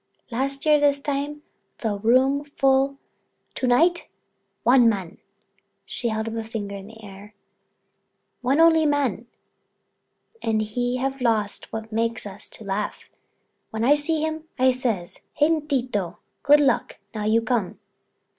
"Last year this time all the room full—to night—one man"—she held up a finger in the air—"one only man, and he have lost what makes us to laugh. When I see him, I say, 'Hein, Tito, good luck now you come.